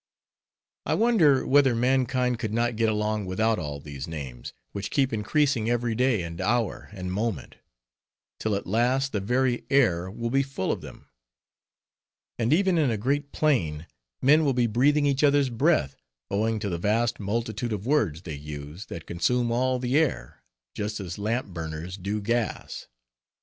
I wonder whether mankind could not get along without all these names, which keep increasing every day, and hour, and moment; till at last the very air will be full of them; and even in a great plain, men will be breathing each other's breath, owing to the vast multitude of words they use, that consume all the air, just as lamp burners do gas.